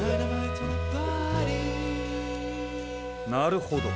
なるほど。